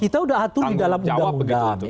kita sudah atur di dalam undang undang